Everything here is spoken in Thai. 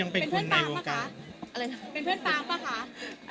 เป็นเพื่อนปากป่ะคะ